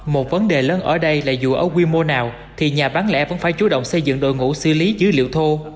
một vấn đề lớn ở đây là dù ở quy mô nào thì nhà bán lẻ vẫn phải chú động xây dựng đội ngũ xử lý dữ liệu thô